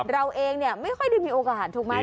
เราเองไม่ค่อยได้มีโอกาสถูกไหม